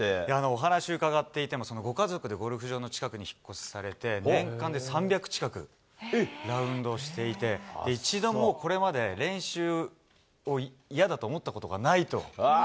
お話伺っていても、ご家族でゴルフ場の近くに引っ越しされて、年間で３００近くラウンドしていて、一度もこれまで、それは強くなるわ。